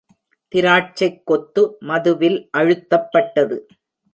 திராட்சைக் கொத்து மதுவில் அழுத்தப்பட்டது.